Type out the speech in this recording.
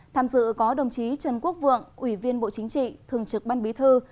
tham dự có đồng chí trần quốc vượng ủy viên bộ chính trị thường trực ban bí thư